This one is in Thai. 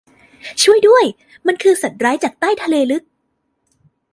ช่วยด้วย ! มันคือสัตว์ร้ายจากใต้ทะเลลึก